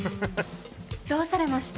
どうされました？